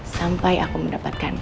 sampai aku mendapatkan